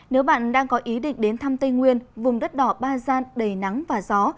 nếu bạn đang có ý định đến thăm tây nguyên vùng đất đỏ ba gian đầy nắng và gió